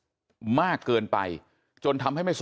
ลาออกจากหัวหน้าพรรคเพื่อไทยอย่างเดียวเนี่ย